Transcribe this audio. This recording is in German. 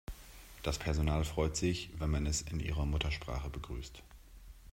Das Personal freut sich, wenn man es in ihrer Muttersprache begrüßt.